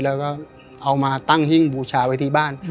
แล้วก็เอามาตั้งหิ้งบูชาไว้ที่บ้าน